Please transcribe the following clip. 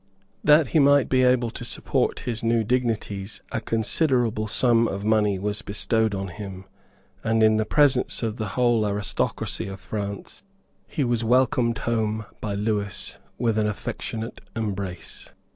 That he might be able to support his new dignities a considerable sum of money was bestowed on him; and, in the presence of the whole aristocracy of France, he was welcomed home by Lewis with an affectionate embrace.